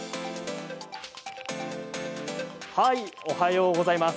おはようございます。